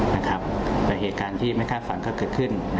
แต่เหตุการณ์ที่ไม่คาดฝันก็เกิดขึ้น